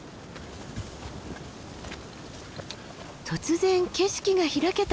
突然景色が開けた。